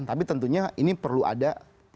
tapi tentunya ini perlu ada